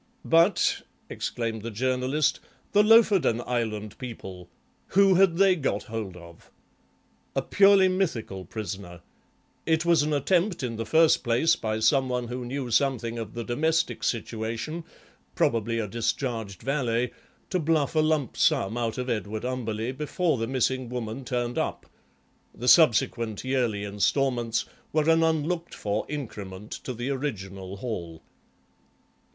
"But," exclaimed the Journalist, "the Lofoden Island people! Who had they got hold of?" "A purely mythical prisoner. It was an attempt in the first place by some one who knew something of the domestic situation, probably a discharged valet, to bluff a lump sum out of Edward Umberleigh before the missing woman turned up; the subsequent yearly instalments were an unlooked for increment to the original haul.